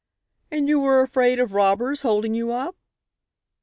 "And you were afraid of robbers holding you up?"